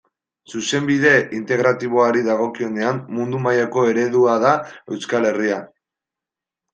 Zuzenbide Integratiboari dagokionean mundu mailako eredu da Euskal Herria.